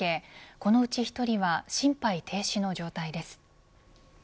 このうち１人は心肺停止の状態です。